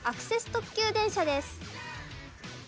特急電車です。